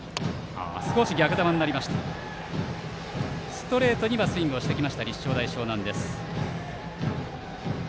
ストレートにスイングをしてきた立正大淞南。